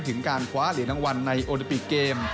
ถึงการคว้าเหรียญรางวัลในโอลิปิกเกม